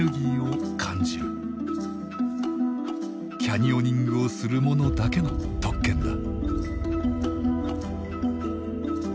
キャニオニングをする者だけの特権だ。